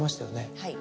はい。